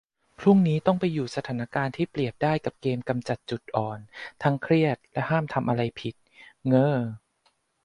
พรุ่งนี้ต้องไปอยู่สถานการณ์ที่เปรียบได้กับเกมกำจัดจุดอ่อน ทั้งเครียดและห้ามทำอะไรผิด เง้อ